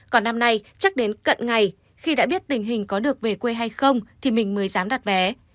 còn năm nay chắc đến cận ngày khi đã biết tình hình có được về quê hay không thì mình mới dám đặt vé